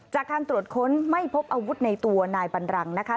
จากการตรวจค้นไม่พบอาวุธในตัวนายบันรังนะคะ